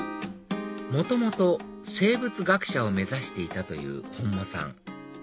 元々生物学者を目指していたという本間さん